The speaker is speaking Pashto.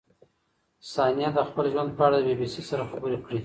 ثانیه د خپل ژوند په اړه د بي بي سي سره خبرې کړې.